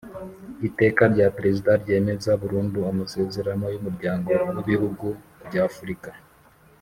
Iteka rya Perezida ryemeza burundu amasezerano y Umuryango w Ibihugu by Afurika